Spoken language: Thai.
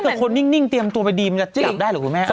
แต่คนนิ่งเตรียมตัวไปดีมันจะจับได้หรือคุณแม่